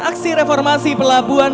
aksi reformasi pelabuhan